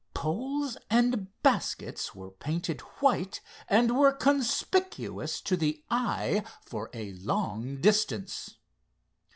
Poles and baskets were painted white and were conspicuous to the eye for a long distance.